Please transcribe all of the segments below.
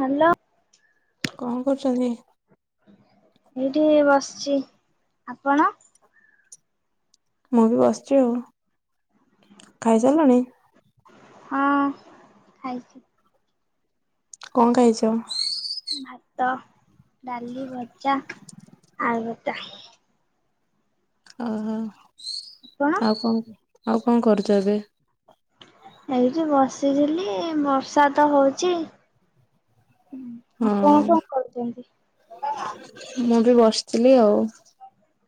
Hello କଣ କରୁଚନ୍ତି? ଏଇଠି ବସଚି ଆପଣ? ମୁଁ ବି ବସଚି ଆଉ ଖାଇସାରଲଣି? ହଁ ଖାଇଚି। କଣ ଖାଇଚ? ଭାତ, ଡାଲି, ଭଜା, ଆଳୁଭର୍ତ୍ତା। ଓହୋ ଆପଣ? ଆଉ କଣ ଆଉ କଣ କରୁଚ ଏବେ? ଏଇଠି ବସିଥିଲି ବର୍ଷା ତ ହଉଚି। ଆପଣ ହଁ କଣ କରୁଛନ୍ତି? ମୁଁ ବି ବସିଥିଲି ଆଉ।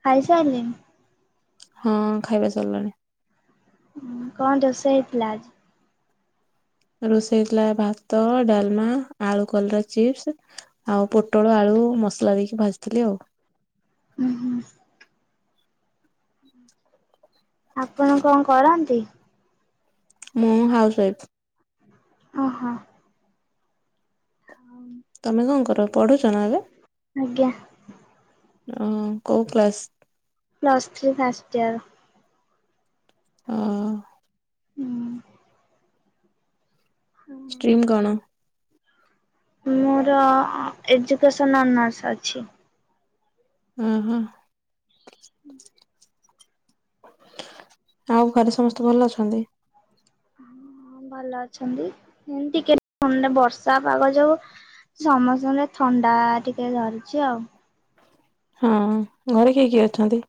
ଖାଇସାଇଲେଣି? ହଁ ଖାଇବା ସରିଲାଣି। କଣ ରୋଷେଇ ହେଇଥିଲା ଆଜି? ରୋଷେଇ ହେଇଥିଲା ଭାତ, ଡାଲମା, ଆଳୁ କଲରା ଚିପ୍ସ ଆଉ ପୋଟଳ ଆଳୁ କୁ ମସଲା ଦେଇକି ଭାଜିଥିଲି ଆଉ। ହୁଁ ହୁଁ। ଆପଣ କଣ କରନ୍ତି? ମୁଁ ହାଉସ ୱାଇଫ୍। ଓ ହୋ। [inaudible] ତମେ କଣ କର ପଢୁଛ ନା ଏବେ? ଆଜ୍ଞା। ଓ କୋଉ class? Plus three first year. ହଁ। ହୁଁ। ଷ୍ଟ୍ରିମ୍ କଣ? ମୋର ଏଜୁକେସନ୍ ଅନର୍ସ ଅଛି। ଓ ହୋ। ଆଉ ଘରେ ସମସ୍ତେ ଭଲ ଅଛନ୍ତି? ଭଲ ଅଛନ୍ତି। ଏମିତି କେ ବର୍ଷା ପାଗ ଯୋଗୁ ସମସ୍ତଙ୍କ ଥଣ୍ଡା ଟିକେ ଧରିଛି ଆଉ। ହଁ। ଘରେ କିଏ କିଏ ଅଛନ୍ତି?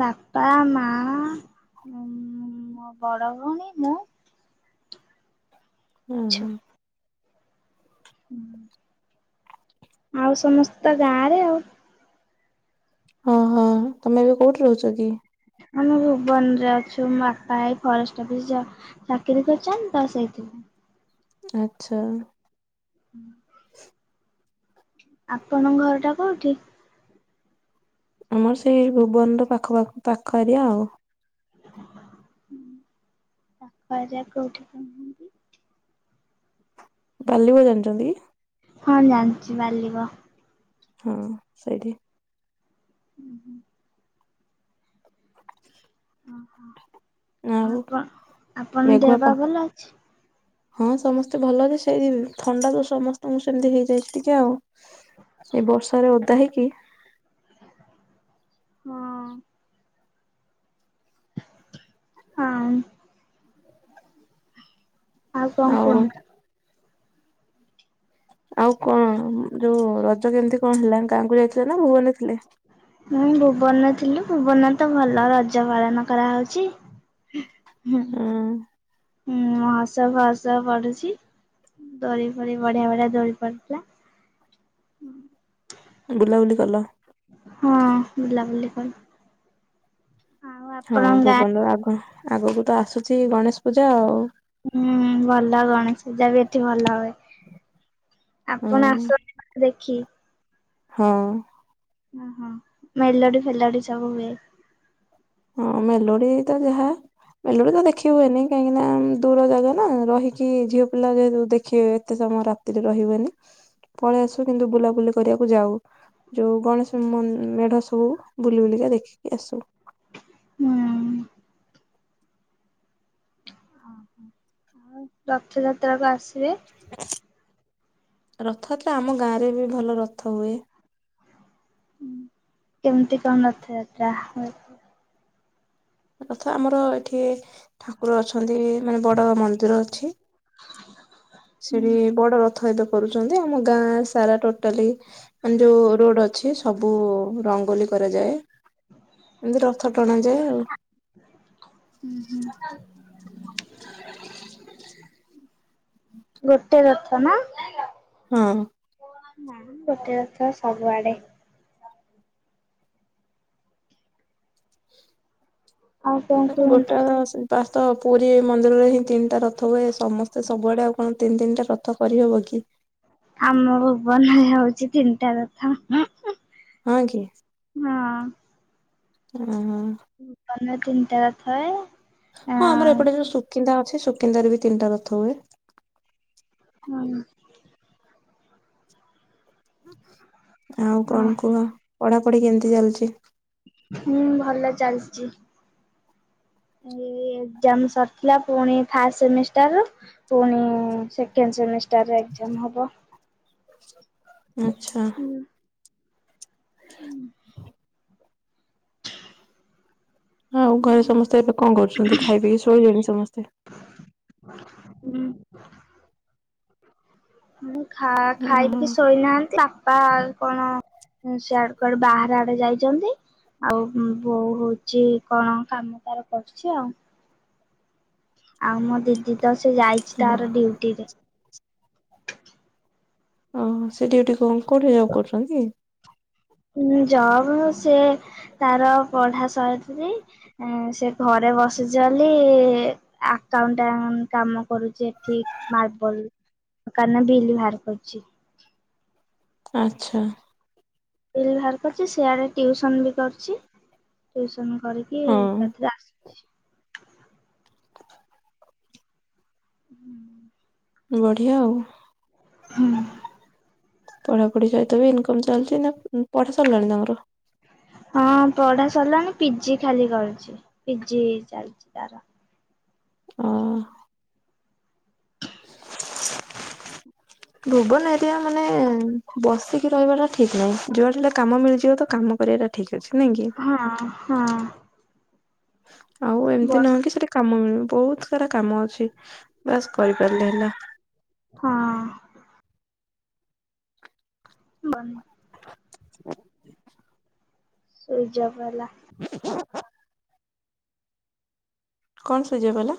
ବାପା, ମା ମୋ ବଡ ଭଉଣୀ ମୁଁ। ଉଁ ହୁଁ। ହୁଁ। ଆଉ ସମସ୍ତ ଗାଁ ରେ ଆଉ। ଓ ହୋ ତମେ ଏବେ କୋଉଠି ରହୁଛ କି? ଆମେ ଭୁବନ ରେ ଅଛୁ। ମୋ ବାପା ଭାଇ ଫରେଷ୍ଟ ଅଫିସ ଚାକିରୀ କରିଛନ୍ତି ତ ସେଇ। [unintelligible] ଆଚ୍ଛା। ହୁଁ। ଆପଣଙ୍କ ଘର ଟା କୋଉଠି? ଆମର ସେଇ ଭୁବନର ପାଖ ପାଖ ପାଖ ଆରିଆ ଆଉ। [unintelligible] ବାଲିିବୋ ଜାଣିଛନ୍ତି କି? ହଁ ଜାଣିଛି ବାଲିବୋ। ହଁ ସେଇଠି। ଉଁ ହୁଁ। ଆଉ ଆପଣ ଆପଣ ମେଘୁଆ ଦେହପା ପା ଭଲ ଅଛି? ହଁ ସମସ୍ତେ ଭଲ ଯେ ସେଇ ଥଣ୍ଡା ତ ସମସ୍ତଙ୍କୁ ସେମିତି ହେଇଯାଇଛି ଟିକେ ଆଉ। ଏଇ ବର୍ଷା ରେ ଓଦା ହେଇକି ହଁ। ହଁ। ଆଉ କଣ କୁହନ୍ତୁ? ଆଉ କଣ ଯୋଉ ରଜ କେମିତି କଣ ହେଲା ଗାଁ କୁ ଯାଇଥିଲେ ନା ଭୁବନ ଥିଲେ? ମୁଁ ଭୁବନ ଥିଲୁ ଭୁବନରେ ତ ଭଲ ରଜ ପାଳନ କରାହଉଛି। ହୁଁ ହଁ ହୁଁ ସବୁ ହସ ପଡୁଛି ଦୋଳି ଫୋଳି ବଢିଆ ବଢିଆ ଦୋଳି ପଡୁଥିଲା। ବୁଲାବୁଲି କଲ? ହଁ ବୁଲାବୁଲି କଲୁ। ଆଉ ହଁ ଆପଣଙ୍କ ଗାଁ ଭୁବନରୁ ଆଗ ଆଗକୁ ତ ଆସୁଛି ଗଣେଶ ପୂଜା ଆଉ। ହୁଁ ଭଲ ଗଣେଶ ପୂଜା ବି ଏଠି ଭଲ ହୁଏ। ହଁ ଆପଣ ଆସନ୍ତି କଣ ଦେଖି? ହଁ। ଓ ହୋ ମେଲୋଡି ଫେଲୋଡି ସବୁ ହୁଏ। ହଁ ମେଲୋଡି ତ ଯାହା ମେଲୋଡି ତ ଦେଖି ହୁଏନି କାହିଁକି ନା ଦୂର ଜାଗା ନା ରହିକି ଝିଅ ପିଲା ଯେହେତୁ ଦେଖିବେ ଏତେ ସମୟ ରାତିରେ ରହିବେନି ପଳେଇ ଆସୁ କିନ୍ତୁ ବୁଲାବୁଲି କରିବାକୁ ଯାଉ। ଯୋଉ ଗଣେଶ ମେଢ ସବୁ ବୁଲି ବୁଲିକା ଦେଖିକି ଆସୁ। ହୁଁ ଓହୋ ଆଉ ରଥଯାତ୍ରା କୁ ଆସିବେ ରଥଯାତ୍ରା ଆମ ଗାଁରେ ବି ଭଲ ରଥ ହୁଏ। କେମିତି କଣ ରଥଯାତ୍ରା ହୁଏ? ରଥ ଆମର ଏଠି ଠାକୁର ଅଛନ୍ତି ମାନେ ବଡ ମନ୍ଦିର ଅଛି। ସେଠି ହୁଁ ବଡ଼ ରଥ ଯାତ୍ରା କରୁଛନ୍ତି ଆମ ଗାଁରେ ସାରା ଟୋଟାଲି ମାନେ ଯୋଉ ରୋଡ ଅଛି ସବୁ ରଙ୍ଗୋଲି କରାଯାଏ। ଏମତି ରଥ ଟଣାଯାଏ ଆଉ। ହୁଁ । ଗୋଟେ ରଥ ନା? ହଁ। ନା ଗୋଟେ ରଥ ସବୁଆଡେ। ଆଉ କଣ କୁହନ୍ତୁ? ଗୋଟେ [unintelligible] ପୁରୀ ମନ୍ଦିରରେ ହିଁ ତିନିଟା ରଥ ହୁଏ ସମସ୍ତେ ସବୁଆଡେ ଆଉ କଣ ତିନି ତିନିଟା ରଥ କରିହବ କି? ଆମ ଭୁବନରେ ହଉଛି ତିନିଟା ରଥ। ହଁ କି। ହଁ ଭୁବନରେ ତିନିଟା ରଥ ହୁଏ। ଆଁ ହଁ ଆମର ଏପଟେ ଯୋଉ ସୁକିନ୍ଦା ଅଛି ସୁକିନ୍ଦାରେ ବି ତିନିଟା ରଥ ହୁଏ। ହୁଁ। ଆଉ କଣ କୁହ ପଢାପଢି କେମିତି ଚାଲିଚି? ହୁଁ ଭଲ ଚାଲିଚି। [inaudible] ଏଜାମ ସରିଥିଲା ପୁଣି ଫାର୍ଷ୍ଟ ସେମିଷ୍ଟାର ପୁଣି ସେକେଣ୍ଡ ସେମିଷ୍ଟାର ଏକଜାମ୍ ହବ। ଆଚ୍ଛା। ହୁଁ ହଁ ଆଉ ଘରେ ସମସ୍ତେ ଏବେ କଣ କରୁଛନ୍ତି ଖାଇ ପିକି ଶୋଇଲେଣି ସମସ୍ତେ? ହୁଁ ହ ଖ ଖାଇବିକି ଓହୋ ଶୋଇନାହାନ୍ତି ବାପା କଣ ହୁଁ ସିଆଡୁ କୁଆଡେ ବାହାର ଆଡେ ଯାଇଛନ୍ତି। ଆଉ ବୋଉ ହଉଛି କଣ କାମ ତାର କରୁଛି ଆଉ? ଆଉ ମୋ ଦିଦି ତ ସେ ଯାଇଛି ତାର ଡଉଟି ରେ। ଓହୋ ସେ ଡିଉଟି କୋଉଠି ଯବ୍ କରୁଛନ୍ତି କି? ଜବ ସେ ତାର ପଢା ସାରିନି ସେ ଘରେ ବସି ସୁଜଲି ଆକାଉଣ୍ଟାଣ୍ଟ କାମ କରୁଛି ଏଠି ମାର୍ବଲ କାହ୍ନା ବିଲ୍ ବାହାର କରୁଛି। ଆଚ୍ଛା। ବିଲ୍ ବାହାର କରିଛି ସିଆଡେ ଟିଉସନ ବି କରୁଚି ଟିୟୁସନ୍ କରିକି ହଁ ଏଥିରେ ଆସୁଛି ହୁଁ। ବଢିଆ ଆଉ। ହୁଁ। ପଢାପଢି ସହିତ ବି ଇନକମ ଚାଲିଛି ନା ପଢା ସରିଲାଣି ତାଙ୍କର। ହଁ ପଢା ସରିଲାଣି ପିଜି ଖାଲି କରୁଛି ପିଜି ଚାଲିଛି ତାର। ଓ [inaudible] ଭୁବନ ଏରିଆ ମାନେ ବସିକି ରହିବା ଟା ଠିକ ନାହିଁ ଯୁଆଡେ ହେଲେ କାମ ମିଳିଯିବ ତ କାମ କରିବ। ସେଟା ଠିକ ଅଛି । ହଁ, ହଁ। ଆଉ ଏମିତି ବସ୍ ନୁହଁ କି ସେଠି କାମ ମିଳିବନି ବହୁତ ସାରା କାମ ଅଛି । ବାସ୍ କରିପାରିଲେ ହେଲା । ହଁ ବନି ହ [inaudible] ସୁଇଜ୍‌ ଅଫ୍ ହେଲା । [inaudible] କଣ ସୁରଜ୍ ଅଫ୍ ହେଲା?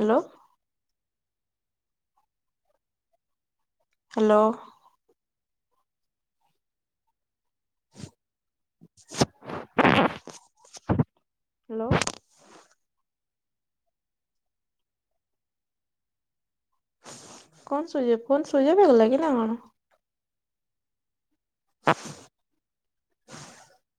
ହ୍ୟାଲୋ। ହ୍ୟାଲୋ। [inaudible] ହ୍ୟାଲୋ। କଣ switch off phone switch off ହେଇଗଲା କି ନା କଣ? [inaudible]